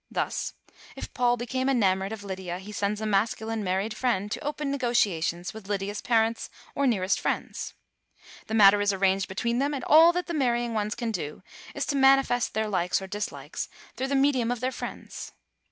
Thus, if Paul becomes enamored of Lydia, he sends a masculine married friend to open negotia tions with Lydia's parents or nearest friends. The mattet is arranged between them, and all that the marrying ones can do is to manifest their likes or dislikes through the medium of their A RUSSIAN ELOPEMENT. 253 friends.